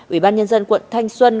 ủy ban nhân dân quận thanh xuân